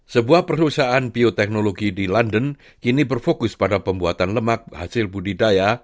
sebuah perusahaan bioteknologi di london kini berfokus pada pembuatan lemak hasil budidaya